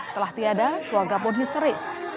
telah tiada keluarga pun histeris